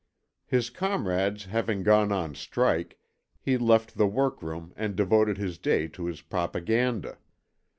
His comrades having gone on strike, he left the workroom and devoted his day to his propaganda.